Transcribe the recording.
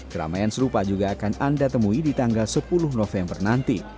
keramaian serupa juga akan anda temui di tanggal sepuluh november nanti